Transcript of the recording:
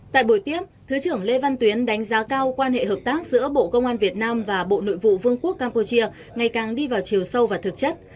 tại buổi tiếp thứ trưởng lê văn tuyến đánh giá cao quan hệ hợp tác giữa bộ công an việt nam và bộ nội vụ vương quốc campuchia ngày càng đi vào chiều sâu và thực chất